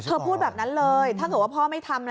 พูดแบบนั้นเลยถ้าเกิดว่าพ่อไม่ทำ